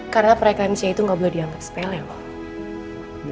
karena pre eclampsia itu gak boleh dianggap sepele loh